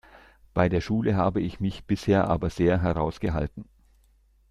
Bei der Schule habe ich mich bisher aber sehr heraus gehalten.